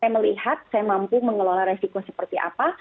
saya melihat saya mampu mengelola resiko seperti apa